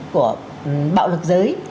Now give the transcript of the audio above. của bạo lực giới